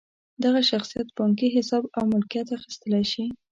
دغه شخصیت بانکي حساب او ملکیت اخیستلی شي.